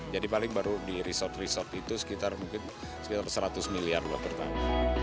jadi paling baru di resort resort itu sekitar seratus miliar buat pertama